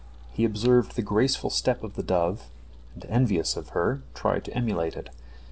He observed the graceful step of the dove, and envious of her tried to enmulate it.